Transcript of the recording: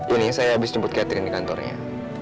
ini saya habis jemput catherine di kantornya